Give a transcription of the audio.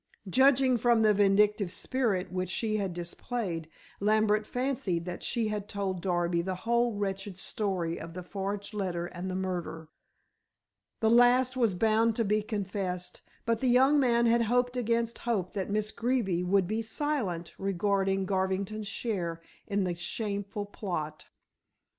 Judging from the vindictive spirit which she had displayed, Lambert fancied that she had told Darby the whole wretched story of the forged letter and the murder. The last was bound to be confessed, but the young man had hoped against hope that Miss Greeby would be silent regarding Garvington's share in the shameful plot.